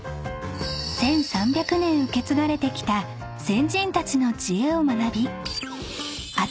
［１，３００年受け継がれてきた先人たちの知恵を学び］